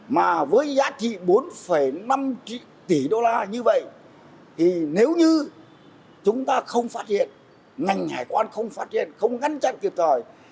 mà với giá trị bốn năm tỷ đô la như vậy thì nếu như chúng ta không phát hiện ngành hải quan không phát triển không ngăn chặn kịp thời